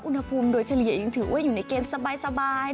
อุณหภูมิโดยเฉลี่ยยังถือว่าอยู่ในเกณฑ์สบาย